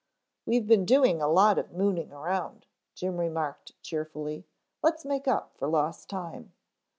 "We've been doing a lot of mooning around," Jim remarked cheerfully. "Let's make up for lost time."